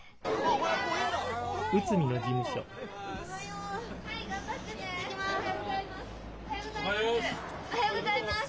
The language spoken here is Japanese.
おはようございます。